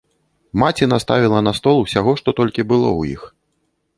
Маці наставіла на стол усяго, што толькі было ў іх.